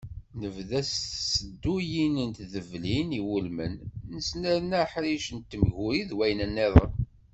Nebda s tisedduyin d tdeblin iwulmen, nesnerna aḥric n temguri d wayen-nniḍen.